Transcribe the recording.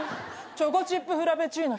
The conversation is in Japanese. チョコチップフラペチーノ１つ。